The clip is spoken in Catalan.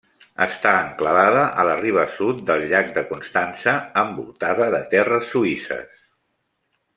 Està enclavada a la riba sud del llac de Constança, envoltada de terres suïsses.